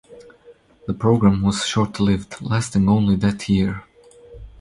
The program was short-lived, lasting only that year.